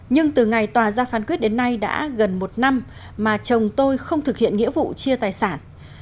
nhưng từ ngày tòa ra phán quyết đến nay đã gần một năm mà chồng tôi không thực hiện nghĩa vụ chia tài sản